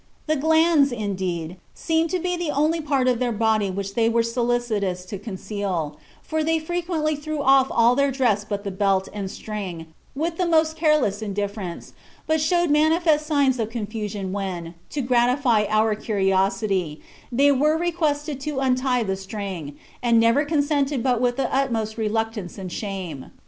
The glans, indeed, seemed to be the only part of their body which they were solicitous to conceal, for they frequently threw off all their dress but the belt and string, with the most careless indifference, but showed manifest signs of confusion when, to gratify our curiosity, they were requested to untie the string, and never consented but with the utmost reluctance and shame....